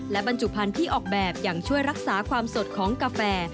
และบรรจุพันธุ์ที่ออกแบบอย่างช่วยรักษาความสดของกาแฟ